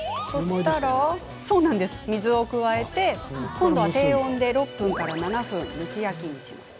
水を加えて今度は低温で６分から７分蒸し焼きにします。